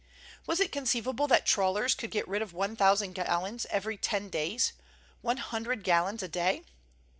Was it conceivable that trawlers could get rid of one thousand gallons every ten days—One hundred gallons a day?